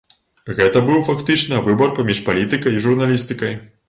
Гэта быў фактычна выбар паміж палітыкай і журналістыкай.